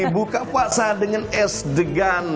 buka puasa dengan es degan